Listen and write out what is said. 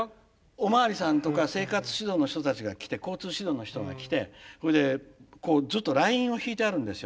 お巡りさんとか生活指導の人たちが来て交通指導の人が来てそれでずっとラインを引いてあるんですよ校庭に。